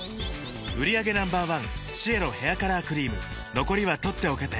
売上№１シエロヘアカラークリーム残りは取っておけて